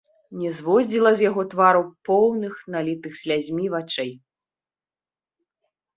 Не зводзіла з яго твару поўных, налітых слязьмі вачэй.